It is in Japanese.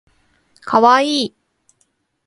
かわいい